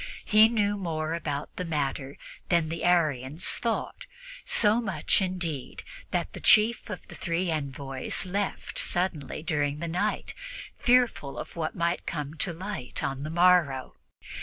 He knew more about the matter than the Arians thought so much, indeed, that the chief of the three envoys left suddenly during the night, fearful of what might come to light on the morrow.